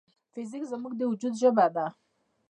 فزیک زموږ د وجود ژبه ده.